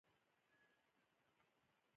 ایا زه باید درملتون ته لاړ شم؟